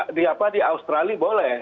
kalau di australia boleh